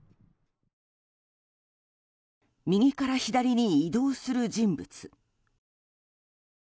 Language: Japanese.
右から左に移動する人物。